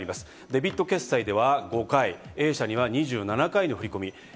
デビット決済では５回、Ａ社には２７回の振り込み。